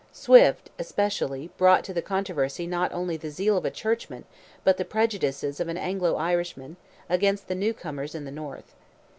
Swift, especially, brought to the controversy not only the zeal of a churchman, but the prejudices of an Anglo Irishman, against the new comers in the north.